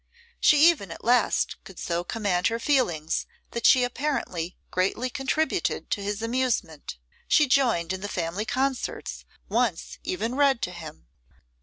She even at last could so command her feelings, that she apparently greatly contributed to his amusement. She joined in the family concerts, once even read to him.